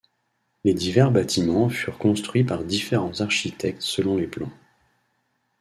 Les divers bâtiments furent construits par différents architectes selon les plans.